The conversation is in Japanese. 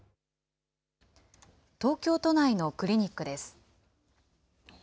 東京都内のクリニックです。